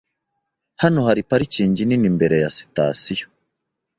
Hano hari parikingi nini imbere ya sitasiyo .